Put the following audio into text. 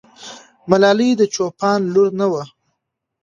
ملالۍ د چوپان لور نه وه.